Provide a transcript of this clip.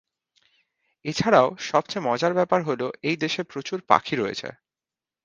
এছাড়াও সবচেয়ে মজার ব্যাপার হলো এই দেশে প্রচুর পাখি রয়েছে।